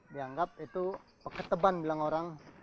dianggap itu pekeban bilang orang